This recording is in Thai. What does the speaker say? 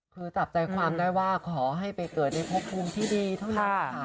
คือจับใจความได้ว่าขอให้ไปเกิดในพบภูมิที่ดีเท่านั้นค่ะ